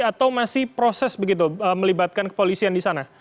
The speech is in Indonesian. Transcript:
atau masih proses begitu melibatkan kepolisian di sana